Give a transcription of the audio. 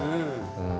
うん。